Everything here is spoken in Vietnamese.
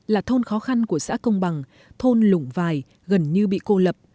là thôn khó khăn của xã công bằng thôn lũng vài gần như bị cô lập